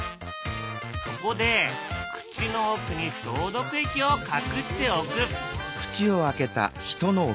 そこで口の奥に消毒液を隠しておく。